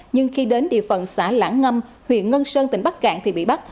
nhưng khi đến địa phận xã lãng ngâm huyện ngân sơn tỉnh bắc cạn thì bị bắt